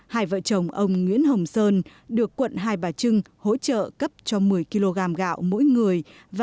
hai vợ chồng ông nguyễn hồng sơn được quận hai bà trưng hỗ trợ cấp cho một mươi kg gạo mỗi người